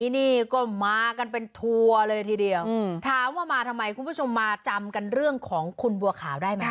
นี่ก็มากันเป็นทัวร์เลยทีเดียวถามว่ามาทำไมคุณผู้ชมมาจำกันเรื่องของคุณบัวขาวได้ไหม